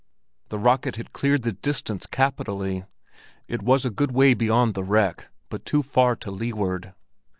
The rocket had cleared the distance capitally; it was a good way beyond the wreck, but too far to leeward.